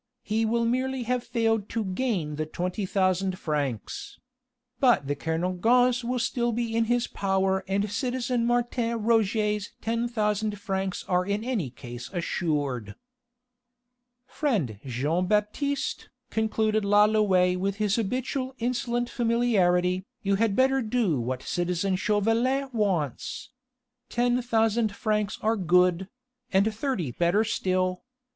He will merely have failed to gain the twenty thousand francs. But the Kernogans will still be in his power and citizen Martin Roget's ten thousand francs are in any case assured." "Friend Jean Baptiste," concluded Lalouët with his habitual insolent familiarity, "you had better do what citizen Chauvelin wants. Ten thousand francs are good ... and thirty better still.